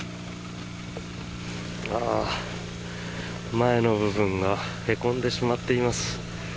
前の部分がへこんでしまっています。